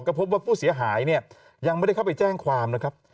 ก็พบว่าผู้เสียหายเนี่ยยังไม่ได้เข้าไปแจ้งความนะครับ